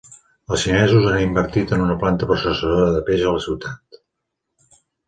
Els xinesos han invertit en una planta processadora de peix a la ciutat.